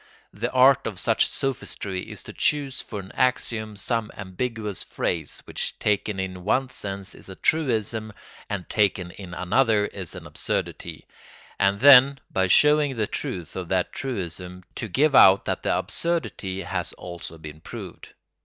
The art of such sophistry is to choose for an axiom some ambiguous phrase which taken in one sense is a truism and taken in another is an absurdity; and then, by showing the truth of that truism, to give out that the absurdity has also been proved.